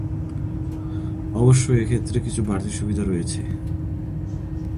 অবশ্য এক্ষেত্রে কিছু বাড়তি সুবিধা রয়েছে।